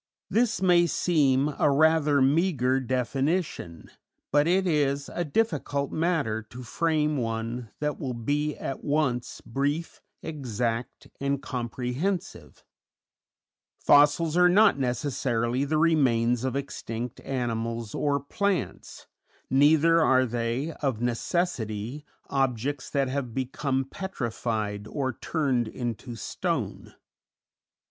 This may seem a rather meagre definition, but it is a difficult matter to frame one that will be at once brief, exact, and comprehensive; fossils are not necessarily the remains of extinct animals or plants, neither are they, of necessity, objects that have become petrified or turned into stone.